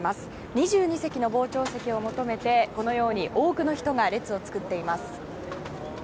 ２２席の傍聴席を求めてこのように、多くの人が列を作っています。